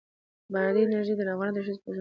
بادي انرژي د افغان ښځو په ژوند کې رول لري.